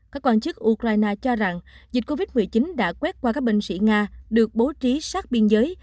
các quan chức ukraine cho rằng dịch covid một mươi chín đã quét qua các binh sĩ nga được bố trí sát biên giới